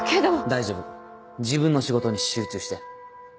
大丈夫自分の仕事に集中して。